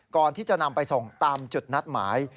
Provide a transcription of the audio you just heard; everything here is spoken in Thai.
ก่อนที่จะนำไปส่งตามจุดนัดหมาย